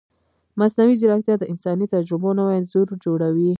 مصنوعي ځیرکتیا د انساني تجربو نوی انځور جوړوي.